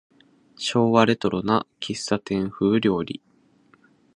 昭和レトロな喫茶店風料理